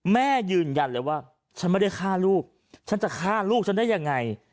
แม่ยืนยันเลยว่าฉันไม่ได้ฆ่าลูกฉันจะฆ่าลูกฉันได้ยังไง